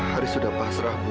haris sudah pasrah bu